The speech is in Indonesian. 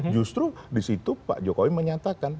justru disitu pak jokowi menyatakan